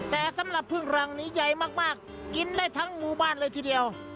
แต่สำหรับพึ่งรังนี้ใหญ่มากกินได้ทั้งหมู่บ้านเลยทีเดียว